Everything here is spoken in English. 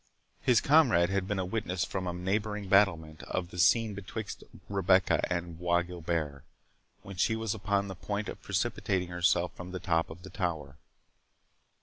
His comrade had been a witness from a neighbouring battlement of the scene betwixt Rebecca and Bois Guilbert, when she was upon the point of precipitating herself from the top of the tower.